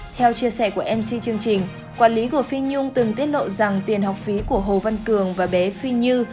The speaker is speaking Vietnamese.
theo chia sẻ của mc chương trình quản lý của phi nhung từng tiết lộ rằng tiền học phí của hồ văn cường và bé phi như